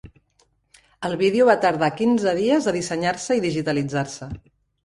El vídeo va tardar quinze dies a dissenyar-se i digitalitzar-se.